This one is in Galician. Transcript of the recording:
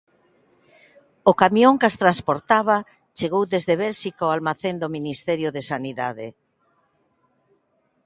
O camión que as transportaba chegou desde Bélxica ao almacén do Ministerio de Sanidade.